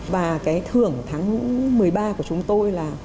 và thưởng tháng một mươi ba của chúng tôi là